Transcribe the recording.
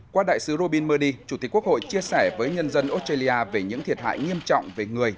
qua đại sứ robin murdy chủ tịch quốc hội chia sẻ với nhân dân australia về những thiệt hại nghiêm trọng về người